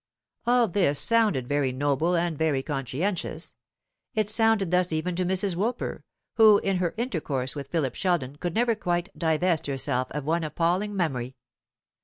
All this sounded very noble and very conscientious. It sounded thus even to Mrs. Woolper, who in her intercourse with Philip Sheldon could never quite divest herself of one appalling memory.